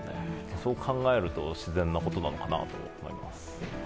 そう考えると自然なことなのかなと思います。